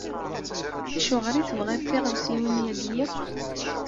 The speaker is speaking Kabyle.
Acuɣer i tebɣiḍ tiɣawsiwin-agi yakk?